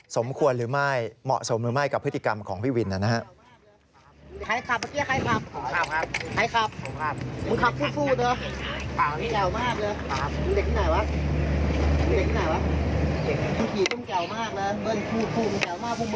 สมควรหรือไม่เหมาะสมหรือไม่กับพฤติกรรมของพี่วินนะครับ